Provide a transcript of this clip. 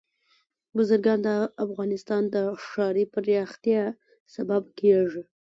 بزګان د افغانستان د ښاري پراختیا سبب کېږي.